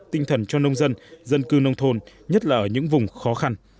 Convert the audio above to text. tinh thần cho nông dân dân cư nông thôn nhất là ở những vùng khó khăn